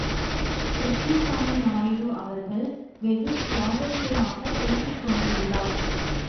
கிருஷ்ணசாமி நாயுடு அவர்கள் வெகு சுவாரஸ்யமாகப் பேசிக்கொண்டிருந்தார்.